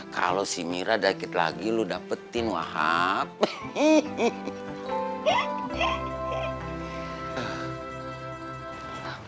kalau si mira dapet lagi lo dapetin wahab